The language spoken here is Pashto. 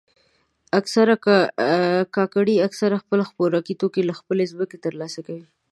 کاکړي اکثره خپل خوراکي توکي له خپلې ځمکې ترلاسه کوي.